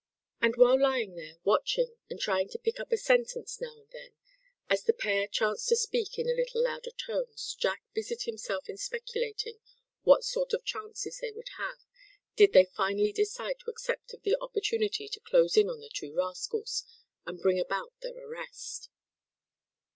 And while lying there, watching, and trying to pick up a sentence now and then, as the pair chanced to speak in a little louder tones, Jack busied himself in speculating what sort of chances they would have, did they finally decide to accept of the opportunity to close in on the two rascals, and bring about their arrest.